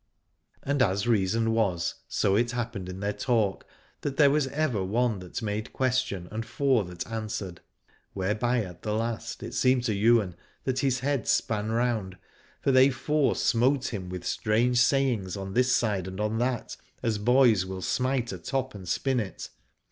And as reason was, so it happened in their talk, that there was ever one that made question and four that answered : whereby at the last it seemed to Ywain that his head span round, for they four smote him with strange sayings on this side and on that, as boys will smite a top and spin it.